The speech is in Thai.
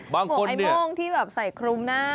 ม่วงที่แบบใส่ครุมหน้า